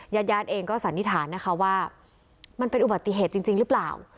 ญาติญาติเองก็สันนิษฐานนะคะว่ามันเป็นอุบัติเหตุจริงหรือเปล่า